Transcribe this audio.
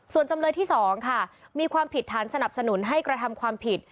ส่วนจำเลยที่๒ค่ะมีความผิดฐานสนับสนุนให้กระทำความผิด